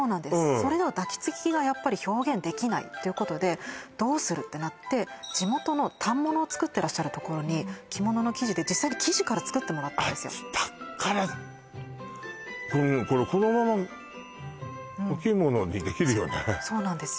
それでは抱きつきがやっぱり表現できないということでどうするってなって地元の反物を作ってらっしゃるところに着物の生地で実際に生地から作ってもらったんですよだからそうなんですよ